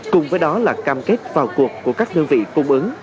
cùng với đó là cam kết vào cuộc của các đơn vị cung ứng